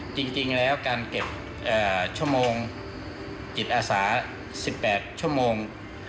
จริงแล้วการเก็บชั่วโมงจิตอาสา๑๘ชั่วโมง